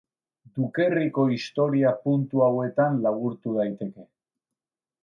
Dukerriko historia puntu hauetan laburtu daiteke.